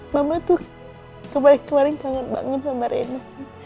mama tuh saya kemarin robust banget sama rena